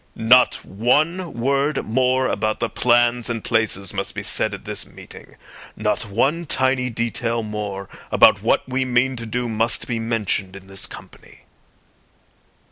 "Not one word more about the plans and places must be said at this meeting. Not one tiny detail more about what we mean to do must be mentioned in this company."